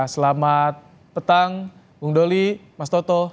selamat petang bung doli mas toto